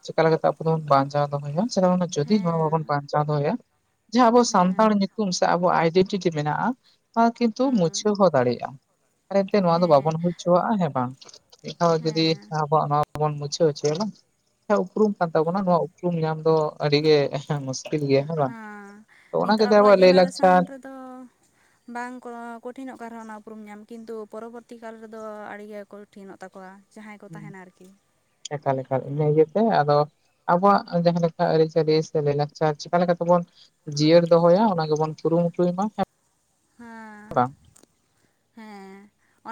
ᱪᱮᱠᱟ ᱞᱮᱠᱟ ᱛᱮ ᱟᱵᱚ ᱫᱚᱵᱚᱱ ᱵᱟᱧᱪᱟᱣ ᱫᱚᱦᱚᱭᱟ? ᱥᱮ ᱱᱚᱜᱼᱚ ᱱᱚᱣᱟ ᱡᱳᱫᱤ ᱱᱚᱣᱟ ᱵᱟᱵᱚᱱ ᱦᱮᱸ ᱵᱟᱧᱪᱟᱣ ᱫᱚᱦᱚᱭᱟ ᱡᱮ ᱟᱵᱚ ᱦᱮᱸ ᱥᱟᱱᱛᱟᱲ ᱧᱩᱛᱩᱢ ᱥᱮ ᱟᱵᱚᱣᱟᱜ ᱟᱭᱰᱮᱱᱴᱤᱴᱤ ᱢᱮᱱᱟᱜᱼᱟ, ᱱᱚᱣᱟ ᱠᱤᱱᱛᱩ ᱦᱩᱸ ᱢᱩᱪᱷᱟᱹᱣ ᱦᱚᱸ ᱫᱟᱲᱮᱜᱼᱟ ᱾ ᱟᱨ ᱮᱱᱛᱮ ᱱᱚᱣᱟ ᱫᱚ ᱦᱮᱸ ᱵᱟᱵᱚᱱ ᱦᱩᱭ ᱪᱚᱣᱟᱜᱼᱟ ᱦᱮᱸ ᱵᱟᱝ ᱢᱤᱫ ᱫᱷᱟᱣ ᱡᱩᱫᱤ ᱦᱮᱸ ᱟᱵᱚᱣᱟᱜ ᱱᱚᱣᱟ ᱵᱚᱱ ᱢᱩᱪᱷᱟᱹᱣ ᱚᱪᱚᱭᱟ ᱵᱟᱝ ᱮ ᱩᱯᱨᱩᱢ ᱠᱟᱱ ᱛᱟᱵᱚᱱᱟ ᱱᱚᱣᱟ ᱩᱯᱨᱩᱢ ᱧᱟᱢ ᱫᱚ ᱟᱹᱰᱤ ᱜᱮ ᱢᱩᱥᱠᱤᱞ ᱜᱮᱭᱟ ᱦᱮᱸ ᱵᱟᱝ᱾ ᱛᱚ ᱚᱱᱟ ᱜᱮ ᱱᱤᱛᱚᱜ ᱡᱮ ᱟᱵᱚᱣᱟᱜ ᱞᱟᱹᱭ ᱞᱟᱠᱪᱟᱨ ᱡᱮᱱᱟᱨᱮᱥᱚᱱ [inaudible] ᱨᱮᱫᱚ ᱵᱟᱝ ᱠᱚ ᱠᱚᱴᱷᱤᱱᱚᱜ ᱠᱟᱱ ᱨᱮᱦᱚᱸ ᱚᱱᱟ ᱩᱯᱨᱩᱢ ᱧᱟᱢ ᱠᱤᱱᱛᱩ ᱯᱚᱨᱚᱵᱚᱨᱛᱤ ᱠᱟᱞ ᱨᱮᱫᱚ ᱟᱹᱰᱤ ᱜᱮ ᱠᱚᱴᱷᱤᱱᱚᱜ ᱛᱟᱠᱚᱣᱟ᱾ ᱡᱟᱦᱟᱸᱭ ᱠᱚ ᱛᱟᱦᱮᱱᱟ ᱟᱨᱠᱤ᱾ ᱮᱠᱟᱞ‌ ᱮᱠᱟᱞ‌ ᱤᱱᱟᱹ ᱤᱭᱟᱹ ᱛᱮ ᱟᱫᱚ ᱟᱵᱚᱣᱟᱜ ᱟ ᱡᱟᱦᱟᱸ ᱞᱮᱠᱟ ᱟᱹᱨᱤ-ᱪᱟᱹᱞᱤ ᱥᱮ ᱞᱟᱹᱭ-ᱞᱟᱠᱪᱟᱨ ᱪᱤᱠᱟ ᱞᱮᱠᱟ ᱛᱮᱵᱚᱱ ᱡᱤᱭᱟᱹᱲ ᱫᱚᱦᱚᱭᱟ ᱚᱱᱟ ᱜᱮᱵᱚᱱ ᱠᱩᱨᱩᱢᱩᱴᱩᱭ ᱢᱟ᱾ ᱦᱟᱸ ᱵᱟᱝ [inaudible] ᱦᱮᱸ᱾